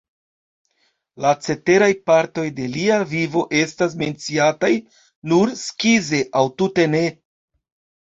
La ceteraj partoj de lia vivo estas menciataj nur skize aŭ tute ne.